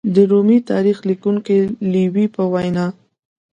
د رومي تاریخ لیکونکي لېوي په وینا